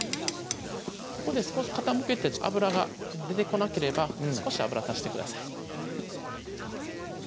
ここで少し傾けて油が出てこなければ少し油足してください